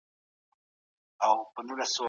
ایا ځايي کروندګر وچ توت اخلي؟